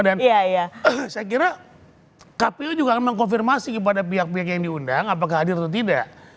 saya kira kpu juga akan mengkonfirmasi kepada pihak pihak yang diundang apakah hadir atau tidak